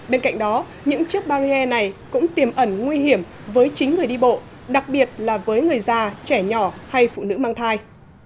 bên cạnh đó những chiếc barrier này cũng tiềm ẩn nguy hiểm với chính người đi bộ đặc biệt là với người già trẻ nhỏ hay phụ nữ mang thai